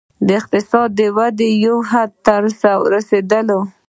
د اقتصادي ودې یو حد ته ورسېدل.